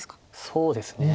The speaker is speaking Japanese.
そうですね。